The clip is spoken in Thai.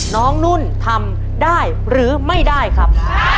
นุ่นทำได้หรือไม่ได้ครับ